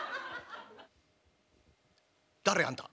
「誰あんた？」。